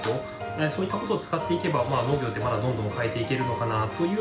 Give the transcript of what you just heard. そういったことを使っていけば農業ってまだどんどん変えていけるのかなというのをですね